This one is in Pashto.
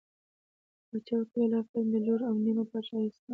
باچا ورته وویل آفرین دا لور او نیمه پاچهي ستا ده.